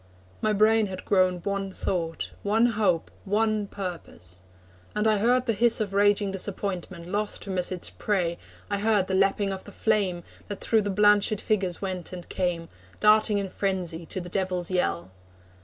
My brain had grown one thought, One hope, one purpose. And I heard the hiss Of raging disappointment, loth to miss Its prey I heard the lapping of the flame, That through the blanched figures went and came, Darting in frenzy to the devils' yell.